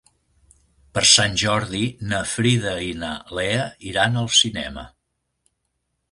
Per Sant Jordi na Frida i na Lea iran al cinema.